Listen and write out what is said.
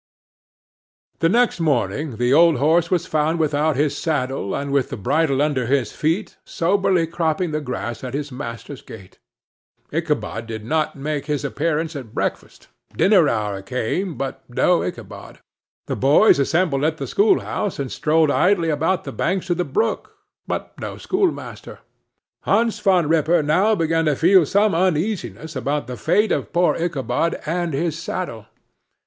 The next morning the old horse was found without his saddle, and with the bridle under his feet, soberly cropping the grass at his master's gate. Ichabod did not make his appearance at breakfast; dinner hour came, but no Ichabod. The boys assembled at the schoolhouse, and strolled idly about the banks of the brook; but no schoolmaster. Hans Van Ripper now began to feel some uneasiness about the fate of poor Ichabod, and his saddle.